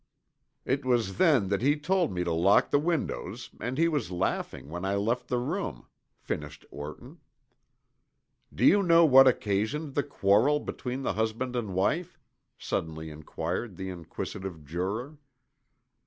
"It was then that he told me to lock the windows and he was laughing when I left the room," finished Orton. "Do you know what occasioned the quarrel between the husband and wife?" suddenly inquired the inquisitive juror.